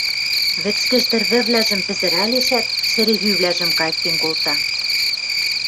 Вӹцкӹж тӹрвӹвлӓжӹм пӹзӹралешӓт, шӹре пӱвлӓжӹм кайыктен колта: